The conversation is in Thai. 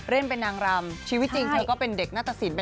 เต็มเป็นนางรำชีวิตจริงเธอเป็นเด็กนาฏศิลป์